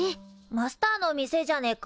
マスターの店じゃねえか。